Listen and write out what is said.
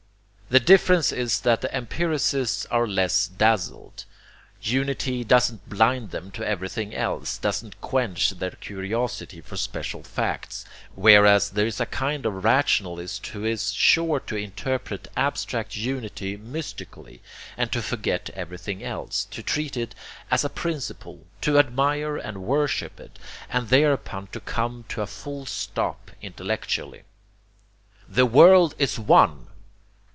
The difference is that the empiricists are less dazzled. Unity doesn't blind them to everything else, doesn't quench their curiosity for special facts, whereas there is a kind of rationalist who is sure to interpret abstract unity mystically and to forget everything else, to treat it as a principle; to admire and worship it; and thereupon to come to a full stop intellectually. 'The world is One!'